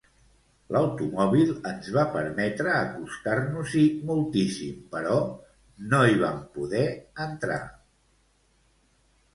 L'automòbil ens va permetre acostar-nos-hi moltíssim, però no hi vam poder entrar.